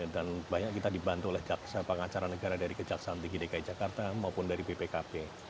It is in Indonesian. dan banyak kita dibantu oleh pengacara negara dari kejaksaan dki jakarta maupun dari bpkp